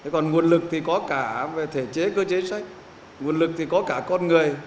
còn nguồn lực thì có cả về thể chế cơ chế sách nguồn lực thì có cả con người